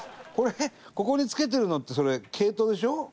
これここに付けてるのってそれ毛糸でしょ？